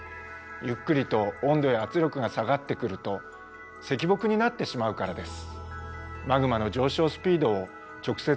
ゆっくりと温度や圧力が下がってくると石墨になってしまうからです。